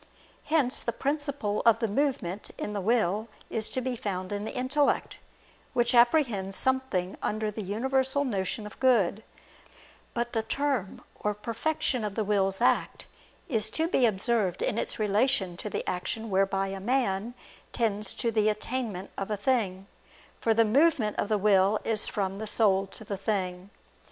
Hence the principle of the movement in the will is to be found in the intellect, which apprehends something under the universal notion of good: but the term or perfection of the will's act is to be observed in its relation to the action whereby a man tends to the attainment of a thing; for the movement of the will is from the soul to the thing.